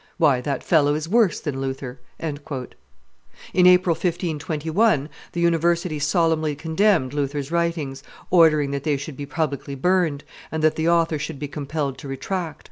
Why, that fellow is worse than Luther!" In April, 1521, the University solemnly condemned Luther's writings, ordering that they should be publicly burned, and that the author should be compelled to retract.